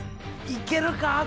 いけるか？